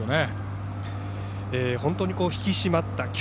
本当に引き締まった。